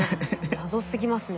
謎すぎますね。